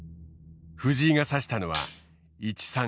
藤井が指したのは１三角成。